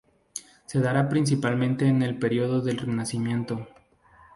Se dará principalmente en el periodo del Renacimiento.